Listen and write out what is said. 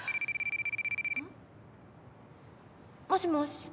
もしもし。